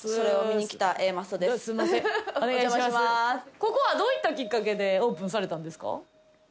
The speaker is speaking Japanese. ここはどういったきっかけでオープンされたんですか？